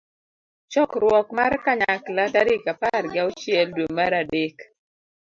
chokruok mar kanyakla tarik apar gi auchiel dwe mar adek